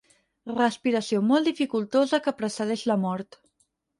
Respiració molt dificultosa que precedeix la mort.